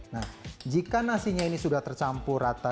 nah jika nasinya ini sudah tercampur rata